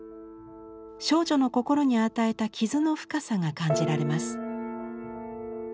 少女の心に与えた傷の深さが感じられます。